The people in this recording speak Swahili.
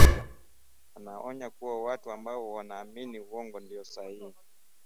Anaonya kuwa watu ambao wanaamini uongo ndiyo sahihi